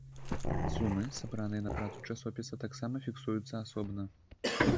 Сумы, сабраныя на працу часопіса, таксама фіксуюцца асобна.